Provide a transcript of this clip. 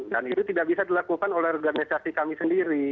dan itu tidak bisa dilakukan oleh organisasi kami sendiri